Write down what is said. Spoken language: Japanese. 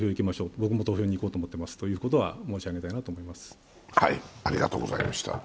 僕はも投票に行こうと思っていますということは申し上げたいと思います。